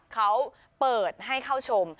เขาเปิดให้เข้าชม